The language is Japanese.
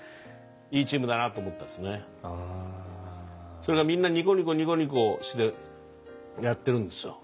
それがみんなニコニコニコニコしてやってるんですよ。